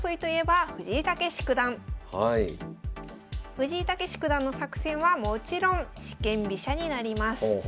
藤井猛九段の作戦はもちろん四間飛車になります。